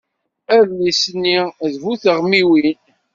Adlis-nni d bu teɣmiwin.